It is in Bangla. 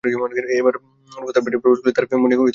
এবার রূহ্ তার পেটে প্রবেশ করলে তাঁর মনে খাওয়ার আকাঙ্ক্ষা জাগে।